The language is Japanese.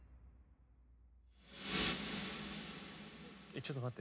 ちょっと待って。